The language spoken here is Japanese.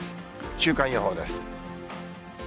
週間予報です。